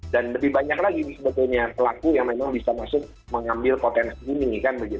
dan lebih banyak lagi sebetulnya pelaku yang memang bisa masuk mengambil potensi ini